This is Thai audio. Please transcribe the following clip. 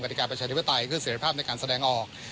กฎิการประชาธิวภาษาใช้คือเสร็จภาพในการแสดงออก